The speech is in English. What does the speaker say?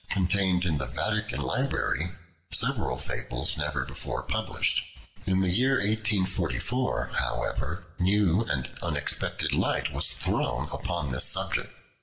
contained in the Vatican library several fables never before published. In the year 1844, however, new and unexpected light was thrown upon this subject.